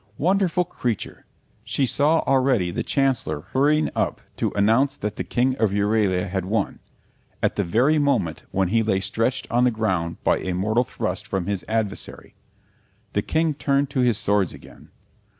Wonderful creature! she saw already the Chancellor hurrying up to announce that the King of Euralia had won, at the very moment when he lay stretched on the ground by a mortal thrust from his adversary. The King turned to his swords again.